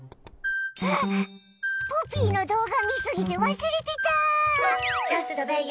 ポピーの動画みすぎて忘れてた！